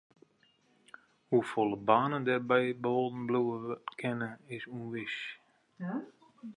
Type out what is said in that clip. Hoefolle banen dêrby behâlden bliuwe kinne is ûnwis.